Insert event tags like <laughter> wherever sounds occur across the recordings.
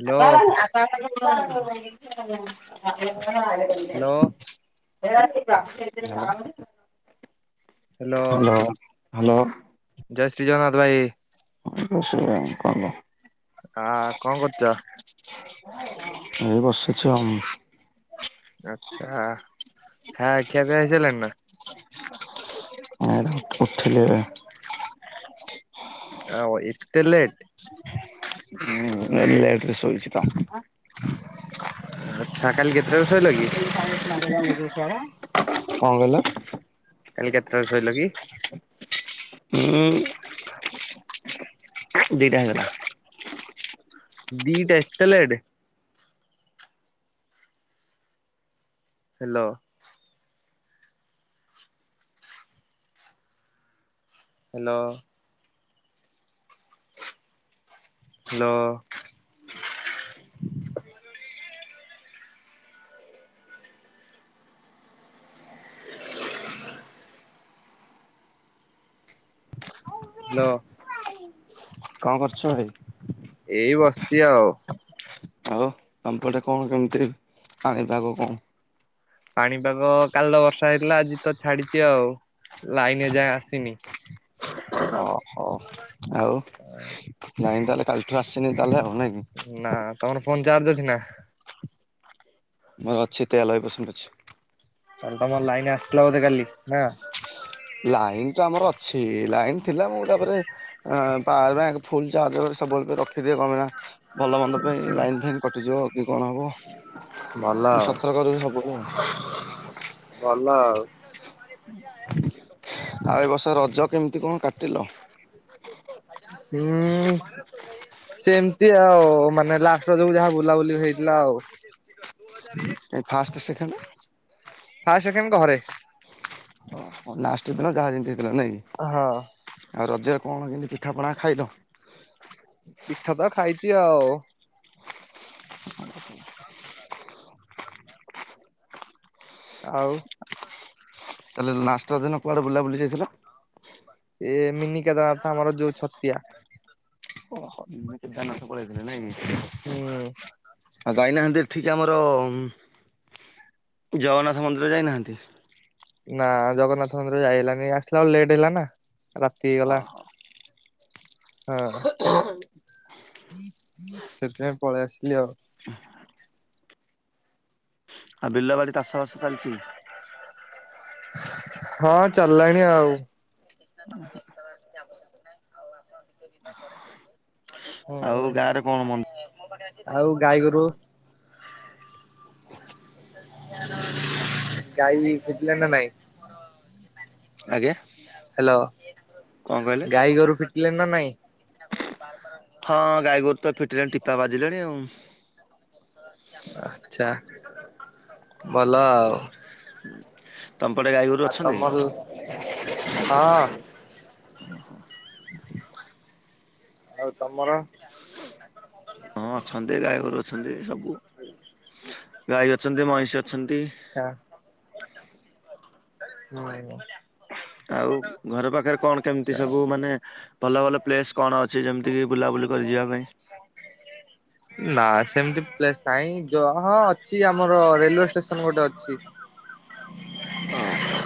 Hello <inaudible> hello hello hello. ଜୟ ଶ୍ରୀ ଜଗନ୍ନାଥ ଭାଇ। <unintelligible> ଆଁ କଣ କରୁଚ? ଏଇ ବସିଛି ଆଉ। ଆଚ୍ଛା ଖାଇବା ଖିଆପିଆ ସରିଲାଣି ନା? <inaudible> ଉଠିଲି ଏବେ। ଆଉ ଏତେ ଲେଟ୍? ହଁ, ଲେଟ୍ ରେ ଶୋଇଚି ତ। ଆଚ୍ଛା କାଲି କେତେଟା ରେ ଶୋଇଲ କି? କଣ କହିଲ? କାଲି କେତେଟା ‌ରେ ଶୋଇଲ କି? <inaudible> ହୁଁ ଦିଟା ହେଇଗଲା। ଦିଟା ଏତେ late? Hello. Hello? Hello? Hello କଣ କରୁଛ ଭାଇ? ଏଇ ବସିଛି ଆଉ। ଆଉ ତମ ପଟେ କଣ କେମିତି ପାଣିପାଗ କଣ? ପାଣିପାଗ କାଲି ତ ବର୍ଷା ହେଇଥିଲା ଆଜି ତ ଛାଡିଛି ଆଉ, ଲାଇନ ଏଯାଏ ଆସିନି। ଓହୋଃ, ଆଉ, ଲାଇନି ତାହେଲେ କାଲିଠୁ ଆସିନି ତାହେଲେ ଆଉ ନାଇଁ କି? ନା ତମର ଫୋନ ଚାର୍ଜ ଅଛି ନା? ମୋର ଅଛି ତେଇୟା ଲବେ ପର୍ସେଣ୍ଟ୍ ଅଛି। ତାହଲେ ତମର ଲାଇନ ଆସିଥିଲା ବୋଧେ କାଲି ନାଁ? ଲାଇନ୍ ତ ଆମର ଅଛି। ଲାଇନ୍ ଥିଲା ମୁଁ ତା ପରେ ଆ ପାୱାର ବ୍ୟାଙ୍କ୍ ଫୁଲ୍ ଚାର୍ଜ ସବୁବେଳେ ତ ରଖିଦିଏ। କଣ ପାଇଁ ନା ଭଲମନ୍ଦ ପାଇଁ ଆଚ୍ଛା ଲାଇନ୍ ଫାଇନ୍ କଟିଯିବ କି କଣ ହବ ଭଲ ମୁଁ ଆଉ ସତର୍କ ରହେ ସବୁବେଳେ ଆଉ। ଭଲ ଆଉ। ଆଉ ଏ ବର୍ଷ ରଜ କେମିତି କଣ କାଟିଲ? ହୁଁ ସେମିତି ଆଉ ମାନେ ଲାଷ୍ଟ୍ ରଜକୁ ଯାହା ବୁଲାବୁଲି ହେଇଥିଲା ଆଉ। ଏ ଫାଷ୍ଟ ସେକେଣ୍ଡ ଫାଷ୍ଟ୍, ସେକେଣ୍ଡ୍ ଘରେ। ଓହୋଃ ଲାଷ୍ଟ ଦିନ ଯାହା ଯେମିତି ହେଇଥିଲା। ନାଁ କି? ହଁ। ଆଉ ରଜରେ କଣ କେମିତି ପିଠାପଣା ଖାଇଲ? ପିଠା ପା ଖାଇଛି ଆଉ ଆଉ ତା ହେଲେ ଲାଷ୍ଟେ ରଜ ଦିନ କୁଆଡ଼େ ବୁଲା ବୁଲି ଯାଇଥିଲ ଏ ମିନିିକେଦାରନାଥ୍ ଆମର ଯୋଉ ଛତିଆ ଓହୋ କେଦାରନାଥ୍ ପଳେଇଥିଲେ ନାଇଁ କି ହୁଁ ଆଉ ଯାଇନାହାନ୍ତି ଏଠିକି ଆମର ଜଗନ୍ନାଥ ମନ୍ଦିର ଯାଇନାହାନ୍ତି ନା ଜଗନ୍ନାଥ ମନ୍ଦିର ଯାଇ ହେଲାନି ଆସିଲା ବେଳକୁ ଲେଟ୍ ହେଲା ନା ରାତି ହେଇଗଲା ଓହୋ, ହଁ ସେଥିପାଇଁ ପଳେଇ ଆସିଲି ଆଉ ଆଉ ବିଲବାଡ଼ି ଚାଷବାସ ଚାଲିଛି ହଁ ଚାଲିଲାଣି ଆଉ ଯାଏ ପସେ ନାଁ ହୁଁ ଆଉ ଗାଁରେ କଣ ମନ୍ଦି ଆଉ ଗାଈଗୋରୁ ଗାଈ ଫିଟିଲା ନା ନାଇଁ ଆଜ୍ଞା ହ୍ୟାଲୋ କଣ କହିଲେ? ଗାଈ ଗୋରୁ ଫିଟିଲେନି ନା ନାଇଁ ବାର ପାର କ ହଁ ଗାଈ ଗୋରୁ ତ ଫିଟିଲେଣି ଟିକା ବାଜିଲେଣି ଆଉ ଆଚ୍ଛା ଭଲ ଆଉ ହୁଁ ତମ ପଟେ ଗାଈଗୋରୁ ତ ଆଉ ତମର ଲସ୍ ହଁ ଓ ହଁ ଆଉ ତମର ହଁ ଅଛନ୍ତି ଗାଈଗୋରୁ ଅଛନ୍ତି ସବୁ ଗାଈ ଅଛନ୍ତି ମଇଁଷି ଅଛନ୍ତି ଆଛା ହଁ ଆଉ ଘର ପାଖରେ କଣ କେମିତି ସବୁ ମାନେ ଭଲ ଭଲ ପ୍ଲେସ୍ କଣ ଅଛି ଯେମିତି କି ବୁଲାବୁଲି କରିିଯିବା ପାଇଁ ହ ନା ସେମିତି ପ୍ଲେସ୍ ନାହିଁ ଯହ ଅଛି ଆମର ରେଲୁୱେ ଷ୍ଟେସନ୍ ଗୋଟେ ଅଛି ଓହୋ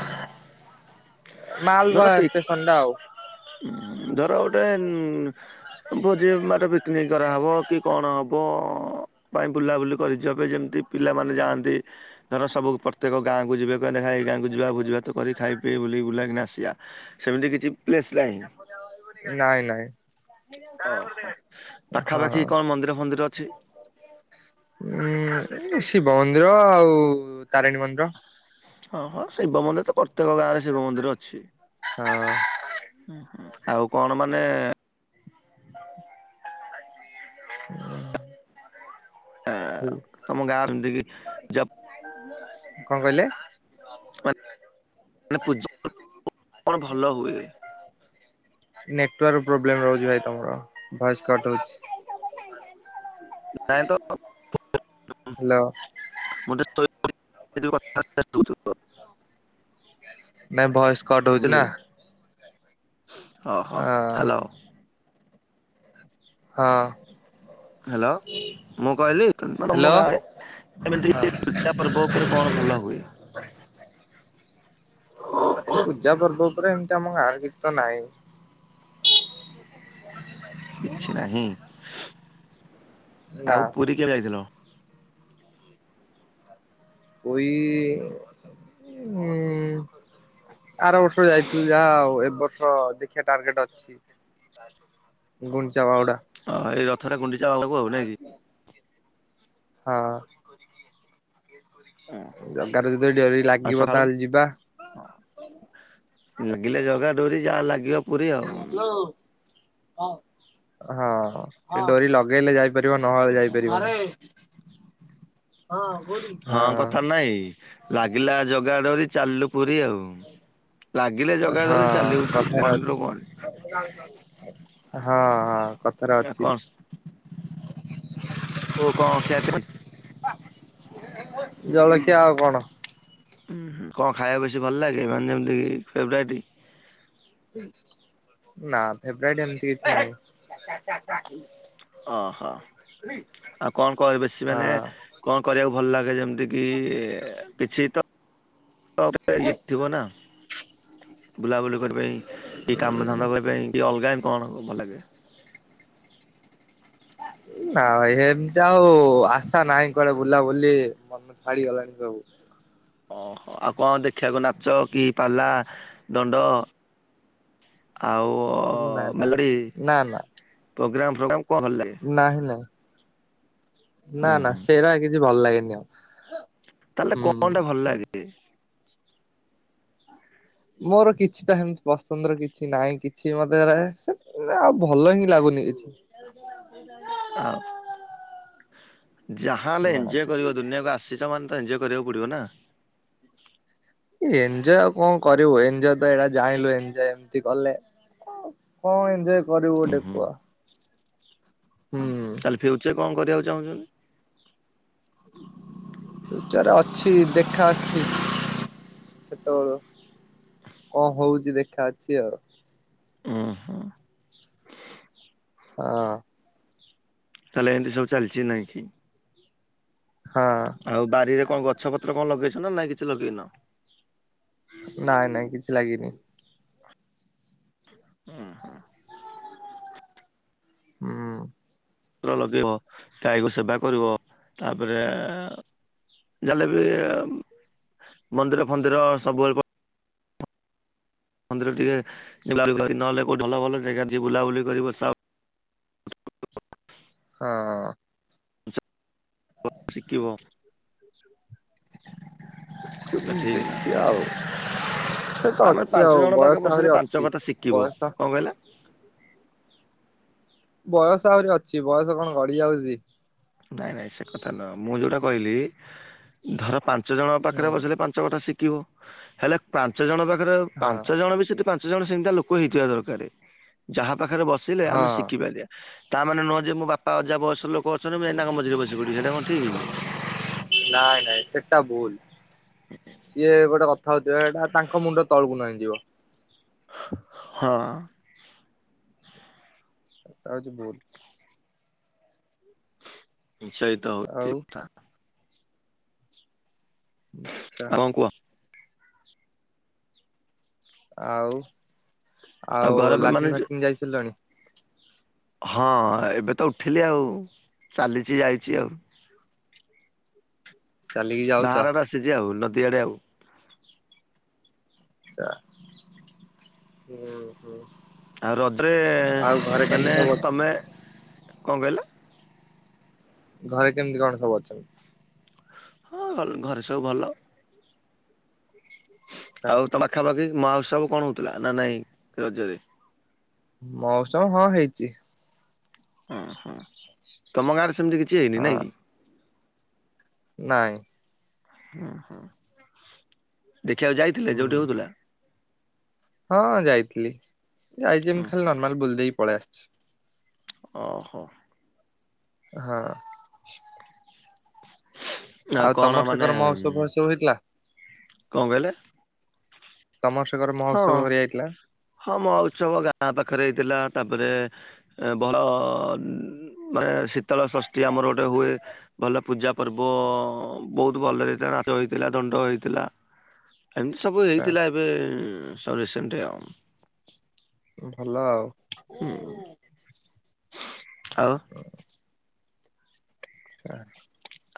ଧର ମାଲବାହୀ ପିକ୍ ଷ୍ଟେସନ୍ ଟା ଆଉ ଧର ଗୋଟେ ଭୋଜି ଭାତ ମାନେ ପିକିନିକି କରାହବ କି କଣ ହବ ପାଇଁ ବୁଲାବୁଲି କରିଚ ଏବେ ଯେମିତି ପିଲାମାନେ ଯାଆନ୍ତି ଧର ସବୁ ପ୍ରତ୍ୟେକ ଗାଁକୁ ଯିବେ ମାନେ ହଅ ଏଇ ଗାଁ କୁ ଯିବା ଭୋଜି ଭାତ କରି ଖାଇ ପିଇ ବୁଲି ବୁଲା କିରିନା ଆସି ବା ସେମିତି କିଛି ପ୍ଲେସ୍ ନାହିଁ ନାଇଁ ନାଇଁ ଓହୋ ହଁ। ପାଖାପାଖି କଣ ମନ୍ଦିର ଫନ୍ଦିର ଅଛି ଉଁ ଶିବ ମନ୍ଦିର ଆଉ ତାରିଣୀ ମନ୍ଦିର ହଁ ହଁ ଶିବ ମନ୍ଦିର ତ ପ୍ରତ୍ୟେକ ଗାଁ ରେ ଶିବ ମନ୍ଦିର ଅଛି ହଁ। ହୁଁ ଆଉ କଣ ମାନେ ହୁଁ ଆଁ ତମ ଗାଁ ଏମତିକି ଜପ କଣ କହିଲେ ମାନେ ପୂଜା ପର୍ବ କଣ ଭଲ ହୁଏ ନେଟୱାର୍କ ପ୍ରୋବ୍ଲେମ ରହୁଛି ଭାଇ ତମର ଭଏସ କଟ୍ ହଉଛି। ନାଇଁ ତ। ହ୍ୟାଲୋ ମୁଁ <unintelligible> ନାଇ ଭଏସ କଟ୍ ହଉଛି ନା ହଁ, ହୁଁ, ହାଲୋ ହଁ। ହାଲୋ ମୁଁ କହିଲି <unintelligible> ହ୍ୟାଲୋ ତମଗାଁରେ ଏମିତି ହଁ <unintelligible> ତା ପରେ ବୋଉ ଉପରେ କଣ ଭଲ ହୁଏ। ପୂଜା ପର୍ବ ଉପରେ ଏମିତି ଆମଗାଁରେ କିଛି ତ ନାହିଁ। କିଛି ନାହିଁ ନା ଆଉ ପୁରୀ କେବେ ଯାଇଥିଲ? ପୁଇ ଆର ବର୍ଷ ଯାଇ ଥିଲି ଯାହା ଆଉ ଏ ବର୍ଷ ଦେଖିଆ ଟାର୍ଗେଟ ଅଛି ଗୁଣ୍ଡିଚା ବାହୁଡା। ହଁ ଏଇ ରଥରେ ଗୁଣ୍ଡିଚା <unintelligible> ନାଇ କି। ହଁ। ଜଗାର ଯଦି ଡୋରି ଆଉ ଲାଗିବ ସକାଳୁ ତାହେଲେ ଯିବା। ଲାଗିଲେ ଜଗା ଡୋରି ଯାହା ଲାଗିବ। ପୁରୀ ଆଉ। ହାଲେ ହଁ, ହଁ ଡୋରି ଲଗେଇଲେ ଯାଇ। <unintelligible> ନହେଲେ ଆଉ ଯାଇପାରିବନି ହଁ କଉଠି। ହଁ, କଥା ରେ ନାଇଁ ଲାଗିଲା ଜଗା ଡୋରି ଚାଲିଲୁ ପୁରୀ ଆଉ। ଲାଗିଲେ ହଁ ଜଗାଡୋରି ଚାଲି ବୁ ପୁରୀ କଥାରେ ଅଛି। ମନରୁ ଗଣି। ହଁ, କଥାରେ ଆଉ ଅଛି। କଣ <inaudible> ଓ କଣ ଖିଆ ପିଆ ଜଳଖିଆ ଆଉ କଣ? ହୁଁ, କଣ ଖାଇବାକୁ ବେଶୀ ଭଲ ଲାଗେ ମାନେ ଯେମିତିକି ଫେବରାଇଟ୍। ନା ପେବ୍ରଟ ଏମତି କିଛି ନାହିଁ। ଓହୋ ଆଉ କଣ କହ ବେଶି ମାନେ। ହଁ କଣ କରିବାକୁ ଭଲ ଲାଗେ ଯେମିତି କି କିଛି ତ। ଇଏ ଥିବ ନା ବୁଲାବୁଲି। କି କାମଧନ୍ଦା କରିବା ପାରି କି ଅଲଗାନ କଣ ମାନେ। ନା ଏମିତି ଆଉ ଆଶା ନାହିଁ କୁଆଡେ ବୁଲା ବୁଲି ମନ ଛାଡିଗଲାଣି ସବୁ। ଓ ହୋ ଆଉ କଣ ଦେଖିବାକୁ ନାଚ କି ପାଲା ଦଣ୍ଡ। ଆଉ ନା ନା ମେଲୋଡି ନା ନା ପ୍ରୋଗ୍ରାମ ଫୋଗ୍ରାମ। କଣ ଭଲ ଲାଗେ? ନାହିଁ ନାଇଁ। ନା ଉୁଁ ନା ହୁଁ ସେଇଟା କିଛି ଭଲ ଲାଗେନି ଆଉ। ତାହେଲେ ହୁଁ। କଣ ଟା ଭଲ ଲାଗେ? ମୋର କିଛି ଟା ସେମିତି ପସନ୍ଦର କିଛି ନାହିଁ କିଛି ମତେ ଆଉ ଭଲ ହିଁ ଲାଗୁନି କିଛି। <inaudible> ଆଉ ଯାହା ହେଲେ ନା ଏଞଜୟ କରିବ ଦୁନିଆକୁ ଆସିଛ ମାନେ ତ ଏଞ୍ଜୟ କରିବାକୁ ପଡ଼ିବ ନା। ଏଞ୍ଜୋୟ୍ ଆଉ କଣ କରିବୁ ଏଞ୍ଜୋୟ୍ ତ ଏଇଟା ଜାଣିଲୁ ଏନଜୟ ଏମିତି କଲେ। କଣ ଏଞ୍ଜୟ କରିବୁ ଗୋଟେ କୁହ। ହୁଁ ତାହଲେ ଫ୍ୟୁଚର କଣ କରିବାକୁ ଚାହୁଁଛନ୍ତି? ପିଉଚର ଅଛି ଦେଖା ଅଛି। ସେତେବେଳ କଣ ହଉଛି ଦେଖା ଅଛି ଆଉ। ଓହୋ। ହଁ। ତାହେଲେ ଏମତି ସବୁ ଚାଲିଛି ନାହିଁ କି। ହଁ। ଆଉ ବାରିରେ କଣ ଗଛ ପତ୍ର କଣ ଲଗେଇଛ ନାଇଁ କିଛି ଲଗେଇନ? ନାଇଁ ନାଇଁ କିଛି ଲାଗିନି। ହଁ ହଁ। ହୁଁ। ଲଗେଇବ ଗାଈକୁ ସେବା କରିବ ତାପରେ ଜାହେଲେ ବି ମନ୍ଦିର ଫନ୍ଦିର ସବୁବେଳେ ମନ୍ଦିର ଟିକେ ନହେଲେ କେଉ ଭଲ ଭଲ ଜାଗା ଟିକଏ ବୁଲାବୁଲି କରିବ। ହଁ। ଶିଖିବ। ଠିକ ଦେଖିଆ ଆଉ। ସେ ତ ଆମେ ଅଛି ଆଉ ପାଞ୍ଚ ଜଣ ପାଖ ବୟସ ଆହୁରି ବସିଲେ ପାଞ୍ଚ ଅଛି କଥା ଶିଖିବ। ବୟସ କଣ କହିଲେ? ବୟସ ଆହୁରି ଅଛି ବୟସ କଣ ଗଡିି ଯାଉଛି। ନାଇଁ ନାଇଁ ସେ କଥା ନୁହଁ ମୁଁ ଯୋଉଟା କହିଲି ଧର ପାଞ୍ଚ ଜଣଙ୍କ ହୁଁ ପାଖରେ ବସିଲେ ପା ପାଞ୍ଚ କଥା ଶିଖିବ ହେଲେ ପାଞ୍ଚ ଜଣ ପାଖରେ ପାଞ୍ଚ ହଁ ଜଣ ବି ସେଠି ପାଞ୍ଚ ଜଣ ସେମିଟିକା ଲୋକ ହେଇଥିବା ଦରକାର ଯାହା ପାଖରେ ବସିଲେ ଆମେ ହଁ ଶିଖିପାରିବା। ତା ମାନେ ନୁହଁ ଯେ ମୋ ବାପା ଅଜା ବୟସ ଲୋକଛନ୍ତି ମୁଁ ଯାଇ ତାଙ୍କ ମଝିରେ ବସି ପିଡିବି ସେଇଟା କଣ ଠିକ୍ କି? ନାଇଁ ନାଇଁ ସେଟା ଭୁଲ। ସିଏ ଗୋଟେ କଥା ହଉଥିବା ଏଇଟା ତାଙ୍କ ମୁଣ୍ଡ ତଳକୁ ନଇ ଯିବ। ହଁ। ତା <inaudible> ଉଛି ଭୁଲ। ସେଇତ ଆଉ ହଉଚି କଥା। ଆଛା ଆଉ କଣ କୁହ? ଆଉ ଆଉ ଘର ମାନେ ଲାଟି୍ନ୍ ଯୋଉ- ଫାଟିନ୍ ଯାଇ ସାରିଲଣି? ହଁ ଏବେ ତ ଉଠିଲି ଆଉ ଚାଲିଚି ଯାଇଚି ଆଉ। ଚାଲିକି ଯାଉଛ ବାହାର ଆଡେ ଆସିଛି ଆଉ ନଦୀଆଡେ ଆଉ। ହୁଁ ହୁଁ। ଆଉ ରଜରେ ଆଉ ଘରେ କେମିତି ମାନେ ସବୁ ସେ ଅଛ ତମେ କଣ କହିଲ? ଘରେ କେମିତି କଣ ସବୁ ଅଛନ୍ତି? ହଁ ଘରେ ସବୁ ଭଲ। ଆଛା ଆଉ ତ ପାଖାପାଖି ମାହାଉସବ କଣ ହଉଥିଲା ନା ନାଇଁ ରଜରେ? ମହୋତ୍ସବ ହଁ ହେଇଛି। ଓଁ ହୁଁ ତମ ଗାଁରେ ସେମିତି କିଛି ହେଇନି ନାଇଁ କି? ହଁ ନାଇଁ। ହୁଁ ହୁଁ ଦେଖିବାକୁ ଯାଇଥିଲେ ଯୋଉଠେ ହୁଁ ହଉଥିଲା? ହଁ ଯାଇଥିଲି ଯାଇଚି ହଁ ଏମିତି ଖାଲି ନର୍ମାଲ ବୁଲି ଦେଇକି ପଳେଇ ଆସିଛି। ଓହୋ। ହାଁ। ଆଉ କଣ ତମର ମାନେ ସେକର ମହୋତ୍ସବ ଫହୋତ୍ସବ ହେଇଥିଲା କଣ କହିଲେ? ତମର ସେକରେ ହଁ ମହୋତ୍ସବ ହରିକା ହେଇଥିଲା? ହଁ ମୋହଉତ୍ସବ ଗାଁ ପାଖରେ ହେଇଥିଲା ତାପରେ ଏ ବଡ ମାନେ ଶୀତଳ ଷଷ୍ଠୀ ଆମର ଗୋଟେ ହୁଏ ଭଲ ପୂଜା ପର୍ବ ବହୁତ ଭଲ ହେଇଥିଲା। ନାଚ ହେଇଥିଲା, ଦଣ୍ଡ ହେଇଥିଲା। ଏମିତି ସବୁ ଆଚ୍ଛା ହେଇଥିଲା ଏବେ ସ ରିସେଣ୍ଟ ଆଉ। ଭଲ ଆଉ। ହୁଁ ଆଉ।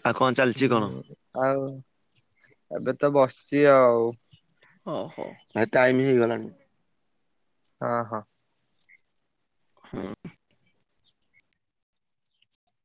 ଆଉ କଣ ଚାଲିଛି କଣ? ହୁଁ। ଆଉ ଏବେ ତ ବସିଚି ଆଉ। ଓହୋ ଭାଈ ଟାଇମ ହେଇଗଲାଣି। ଅ ହଁ। ହୁଁ।